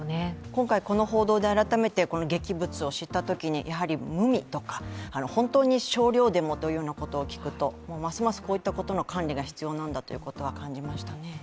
今回この報道で改めてこの劇物を知ったときに無味とか本当に少量でもということを聞くと、ますますこういったことの管理が必要だということを感じました。